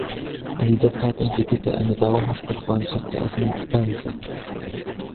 In dieser Zeit entwickelte er eine dauerhafte Freundschaft zu Edmund Spenser.